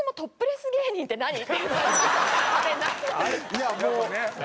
いやもう。